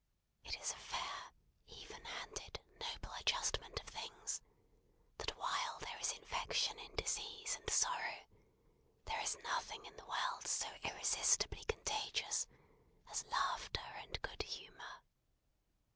It is a fair, even handed, noble adjustment of things, that while there is infection in disease and sorrow, there is nothing in the world so irresistibly contagious as laughter and good humour.